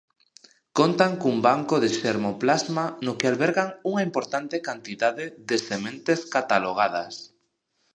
Contan cun banco de xermoplasma no que albergan unha importante cantidade de sementes catalogadas.